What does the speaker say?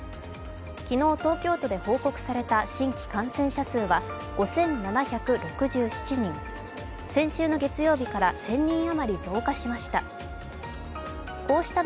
昨日、東京都で報告された新規感染者数は５７６７人、先週の月曜日から１０００人あまり増加しました。